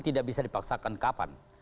tidak bisa dipaksakan kapan